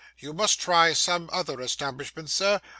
You must try some other establishment, sir.